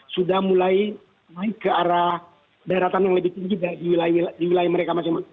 sudah mulai naik ke arah daratan yang lebih tinggi dari wilayah mereka